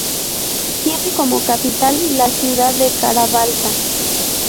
Tiene como capital la ciudad de Kara-Balta.